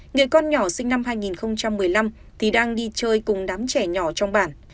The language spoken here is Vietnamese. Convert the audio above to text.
người con nhỏ sinh năm hai nghìn một mươi năm thì đang đi chơi cùng đám trẻ nhỏ trong bản